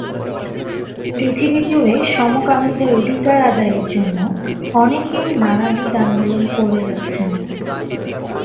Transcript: পৃথিবী জুড়ে সমকামীদের অধিকার আদায়ের জন্য অনেকেই নানাবিধ আন্দোলন করে যাচ্ছেন।